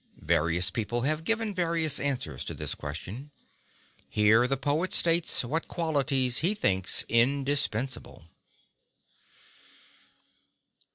Various people have given various answers to this question. Here the poet states what qualities he thinks indispensable.